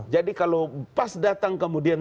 jadi kalau pas datang kemudian